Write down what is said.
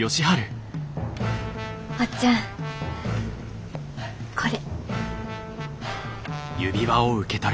おっちゃんこれ。